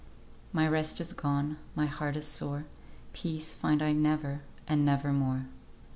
"My rest is gone, My heart is sore, Peace find I never, And never more."